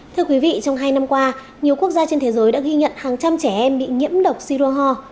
thưa quý vị trong hai năm qua nhiều quốc gia trên thế giới đã ghi nhận hàng trăm trẻ em bị nhiễm độc sirohore